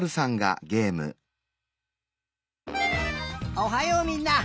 おはようみんな。